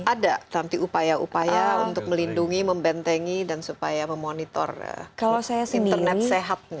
ada nanti upaya upaya untuk melindungi membentengi dan supaya memonitor internet sehat